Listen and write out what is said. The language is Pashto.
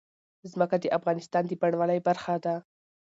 ځمکه د افغانستان د بڼوالۍ برخه ده.